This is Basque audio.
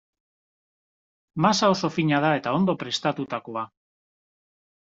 Masa oso fina da eta ondo prestatutakoa.